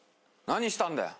何したんだよ。